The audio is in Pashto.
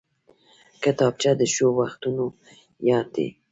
کتابچه د ښو وختونو یاد دی